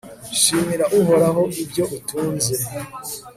shimira uhoraho ibyo utunze